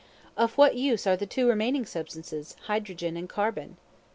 Of what use are the two remaining substances, Hydrogen and Carbon?